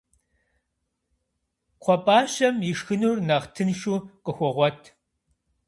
Кхъуэпӏащэм ишхынур нэхъ тыншу къыхуогъуэт.